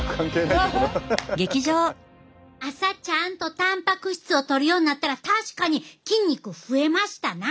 朝ちゃんとたんぱく質をとるようになったら確かに筋肉増えましたな。